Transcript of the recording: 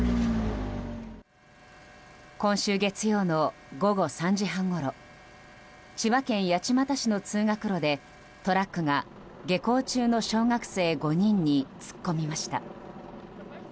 今週月曜の午後３時半ごろ千葉県八街市の通学路でトラックが下校中の小学生５人に突っ込みました。